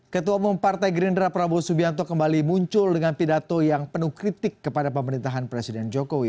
ketua umum partai gerindra prabowo subianto kembali muncul dengan pidato yang penuh kritik kepada pemerintahan presiden jokowi